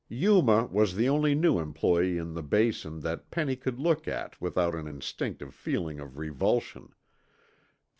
Yuma was the only new employee in the Basin that Penny could look at without an instinctive feeling of revulsion.